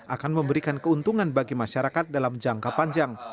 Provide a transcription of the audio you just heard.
akan memberikan keuntungan bagi masyarakat dalam jangka panjang